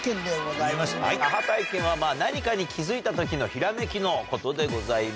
アハ体験は何かに気付いた時のひらめきのことでございます。